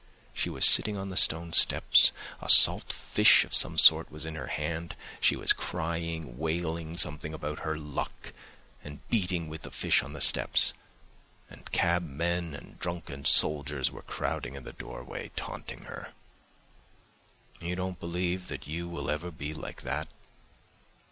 She was sitting on the stone steps, a salt fish of some sort was in her hand; she was crying, wailing something about her luck and beating with the fish on the steps, and cabmen and drunken soldiers were crowding in the doorway taunting her. You don't believe that you will ever be like that?